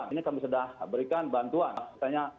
ini kami sudah berikan bantuan misalnya